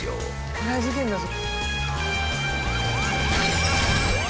こりゃ事件だぞ。